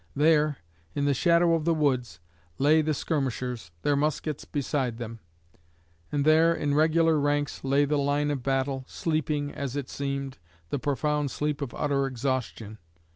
There, in the shadow of the woods, lay the skirmishers, their muskets beside them; and there, in regular ranks, lay the line of battle, sleeping, as it seemed, the profound sleep of utter exhaustion.